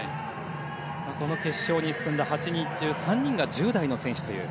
この決勝に進んだ８人中３人が１０代の選手という。